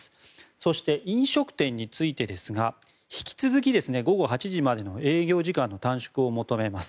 そして、飲食店についてですが引き続き午後８時までの営業時間の短縮を求めます。